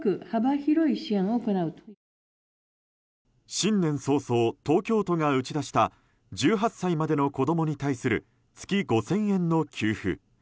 新年早々、東京都が打ち出した１８歳までの子供に対する月５０００円の給付。